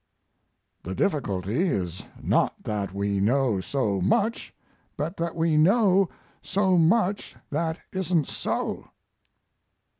"The difficulty is not that we know so much, but that we know so much that isn't so."